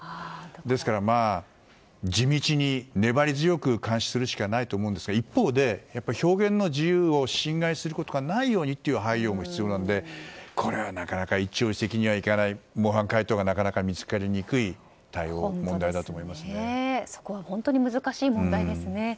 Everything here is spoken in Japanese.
ですから、地道に粘り強く監視するしかないと思うんですが一方で、表現の自由を侵害することがないように配慮も必要なのでこれはなかなか一朝一夕にはいかない模範解答がなかなか見つかりにくい問題だとそこは本当に難しい問題ですね。